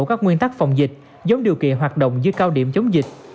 các nguyên tắc phòng dịch giống điều kiện hoạt động dưới cao điểm chống dịch